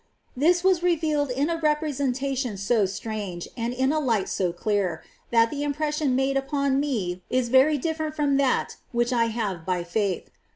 This was revealed in a representation so strange, and in a light so clear, that the impression made upon me was very different from that which I have by faith.